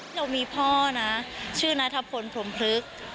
เรามีพ่อนะชื่อนัทพลพรมพลึก